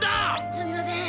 すみません。